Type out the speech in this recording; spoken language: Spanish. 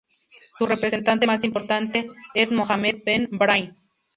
Su representante más importante es Mohammed Ben Brahim.